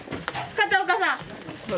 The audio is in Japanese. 片岡さん。